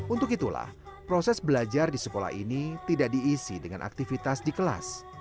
untuk itulah proses belajar di sekolah ini tidak diisi dengan aktivitas di kelas